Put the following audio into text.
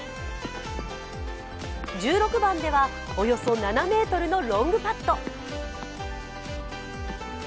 １６番ではおよそ７ｍのロングパット。